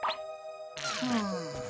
うん。